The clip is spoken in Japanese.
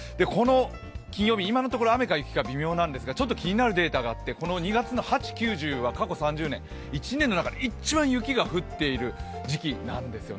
金曜日今のところ雨か雪か微妙なんですけどちょっと気になるデータがあって２月の８、９，１０は過去３０年、１年の中で一番雪が降っている時期なんですよね。